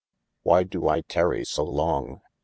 What doe I tarrye so long ?